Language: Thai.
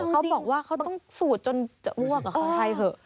เขาบอกว่าเขาต้องสูดจนจะอ้วกกับเขาให้เถอะ